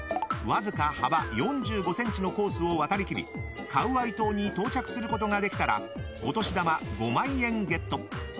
わずか幅４５ｃｍのコースを渡りきりカウアイ島に到着することができたらお年玉５万円ゲット。